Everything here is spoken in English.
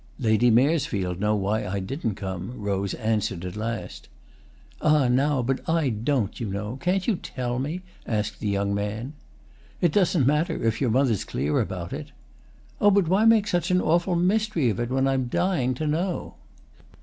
"Lady Maresfield knows why I didn't come," Rose answered at last. "Ah, now, but I don't, you know; can't you tell me?" asked the young man. "It doesn't matter, if your mother's clear about it." "Oh, but why make such an awful mystery of it, when I'm dying to know?"